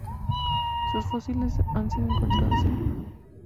Sus fósiles han sido encontrados en Alemania.